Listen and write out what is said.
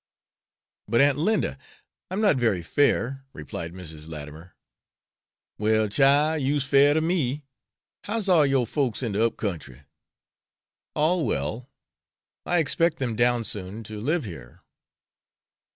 "But, Aunt Linda, I am not very fair," replied Mrs. Latimer. "Well, chile, you's fair to me. How's all yore folks in de up kentry?" "All well. I expect them down soon to live here."